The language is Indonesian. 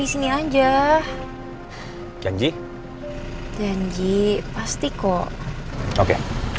saya masih ingonly nih ters gerak sekarang